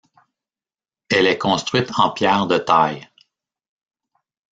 Elle est construite en pierre de taille.